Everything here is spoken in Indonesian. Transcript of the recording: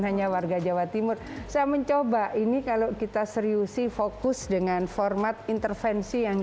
hanya warga jawa timur saya mencoba ini kalau kita seriusi fokus dengan format intervensi yang